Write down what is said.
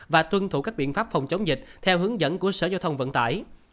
và tuân thủ các biện pháp phòng chống dịch theo hướng dẫn của sở giao thông vận tải